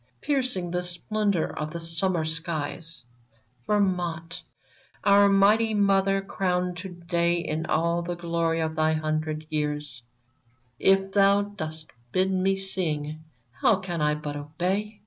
Piercing the splendor of the summer skies — Vermont ! Our mighty mother, crowned to day In all the glory of thy hundred years, If thou dost bid me sing, how can I but obey